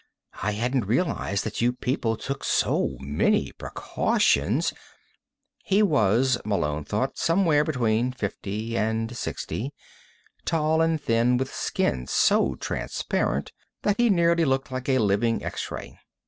"I hadn't realized that you people took so many precautions " He was, Malone thought, somewhere between fifty and sixty, tall and thin with skin so transparent that he nearly looked like a living X ray.